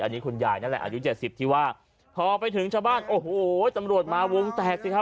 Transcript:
อันนี้คุณยายนั่นแหละอายุเจ็ดสิบที่ว่าพอไปถึงชาวบ้านโอ้โหตำรวจมาวงแตกสิครับ